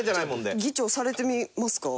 議長されてみますか？